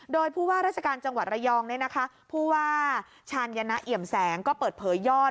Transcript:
โดยผู้ว่ารัฐการย์จังหวัดระยองนี่นะคะผู้ว่าชาญญาณเีย่มแสงก็เปิดเผยยอด